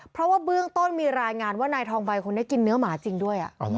เพราะว่าเบื้องต้นมีรายงานว่านายทองใบคนนี้กินเนื้อหมาจริงด้วย